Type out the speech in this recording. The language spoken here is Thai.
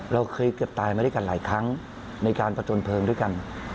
เราเคยเกือบตายมาด้วยกันหลายครั้งในการผจญเพลิงด้วยกัน